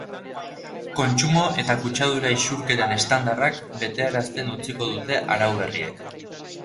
Kontsumo eta kutsadura isurketen estandarrak bateratzen utziko dute arau berriek.